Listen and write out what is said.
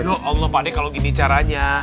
ya allah pak deh kalau gini caranya